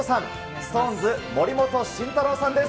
ＳｉｘＴＯＮＥＳ・森本慎太郎さんです。